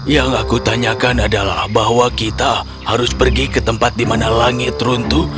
yang aku tanyakan adalah bahwa kita harus pergi ke tempat di mana langit runtuh